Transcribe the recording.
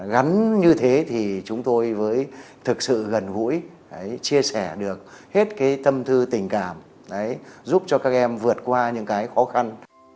gắn như thế thì chúng tôi với thực sự gần gũi chia sẻ được hết cái tâm thư tình cảm giúp cho các em vượt qua những cái khó khăn